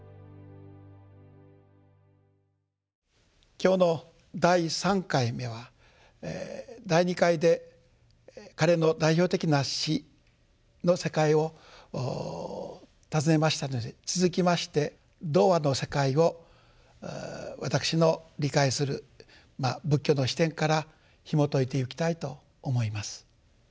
今日の第３回目は第２回で彼の代表的な詩の世界を訪ねましたので続きまして童話の世界を私の理解する仏教の視点からひもといていきたいと思います。